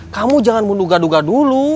kamu jangan menduga duga dulu